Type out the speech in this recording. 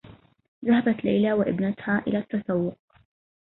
ذهبت ليلى و ابنتها إلى التّسوّق.